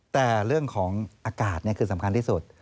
แต่เรื่องของอากาศคือสำคัญที่สุด